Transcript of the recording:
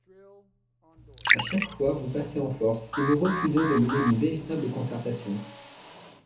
À chaque fois, vous passez en force, et vous refusez de mener une véritable concertation.